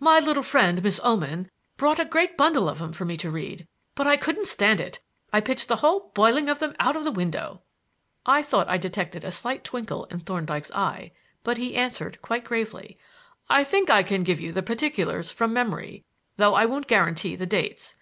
My little friend, Miss Oman, brought a great bundle of 'em for me to read, but I couldn't stand it; I pitched the whole boiling of 'em out of the window." I thought I detected a slight twinkle in Thorndyke's eye, but he answered quite gravely: "I think I can give you the particulars from memory, though I won't guarantee the dates.